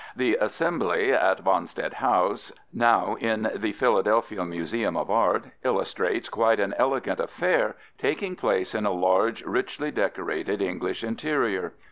The Assembly at Wanstead House, now in the Philadelphia Museum of Art, illustrates quite an elegant affair taking place in a large, richly decorated, English interior.